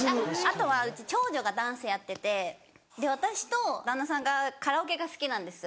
あとはうち長女がダンスやってて私と旦那さんがカラオケが好きなんです。